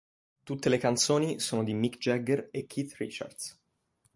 Tutte le canzoni sono di Mick Jagger e Keith Richards.